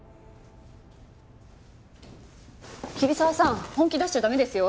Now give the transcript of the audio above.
桐沢さん本気出しちゃ駄目ですよ。